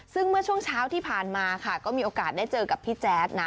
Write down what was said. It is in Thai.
ซึ่งเมื่อช่วงเช้าที่ผ่านมาค่ะก็มีโอกาสได้เจอกับพี่แจ๊ดนะ